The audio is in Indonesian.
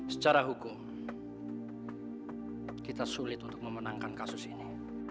secara hukum kita sulit untuk memenangkan kasus ini